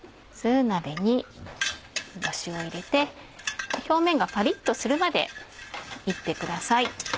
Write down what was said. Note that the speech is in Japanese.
鍋にダシを入れて表面がパリっとするまで炒ってください。